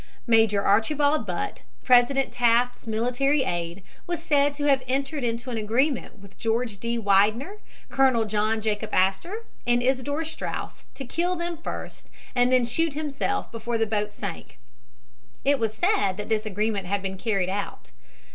Major Archibald Butt, President Taft's military aide, was said to have entered into an agreement with George D. Widener, Colonel John Jacob Astor and Isidor Straus to kill them first and then shoot himself before the boat sank. It was said that this agreement had been carried out.